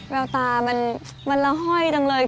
แววตามันละห้อยจังเลย